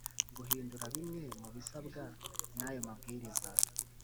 guhindura bimwe mu bisabwa n ayo mabwiriza